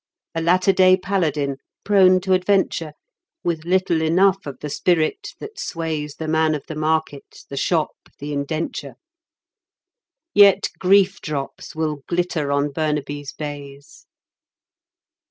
A latter day Paladin, prone to adventure, With little enough of the spirit that sways The man of the market, the shop, the indenture! Yet grief drops will glitter on Burnaby's bays.